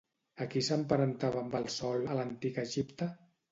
A qui s'emparentava amb el Sol a l'Antic Egipte?